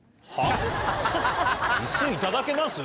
「イスいただけます？」